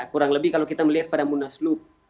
kurang lebih kalau kita melihat pada munaslup